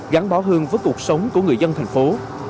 gắn bó hơn với cuộc sống của người dân thành phố